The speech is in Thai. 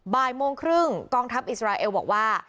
บ่ายโมงครึ่งกองทัพอิสราเอลบอกว่า